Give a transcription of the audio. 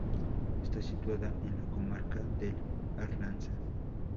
Está situada en la comarca del Arlanza.